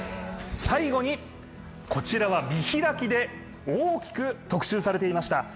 最後にこちらは見開きで大きく特集されていました。